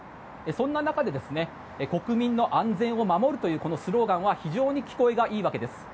そんな中で国民の安全を守るというスローガンは非常に聞こえがいいわけです。